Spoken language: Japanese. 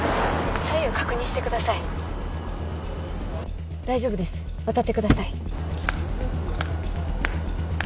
左右確認してください大丈夫です渡ってください